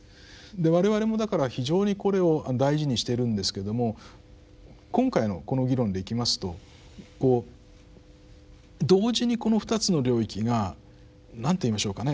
で我々もだから非常にこれを大事にしているんですけども今回のこの議論でいきますとこう同時にこの２つの領域がなんと言いましょうかね